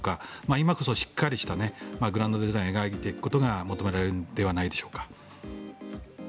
今こそしっかりとしたグランドデザインを描いていくことが求められるのではないでしょうか。